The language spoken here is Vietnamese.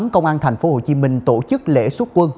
công an tp hcm tổ chức lễ xuất quân